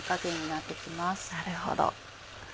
なるほど。